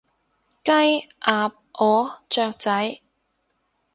雞，鴨，鵝，雀仔